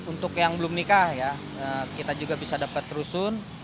untuk yang belum nikah ya kita juga bisa dapat rusun